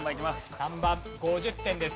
３番５０点です。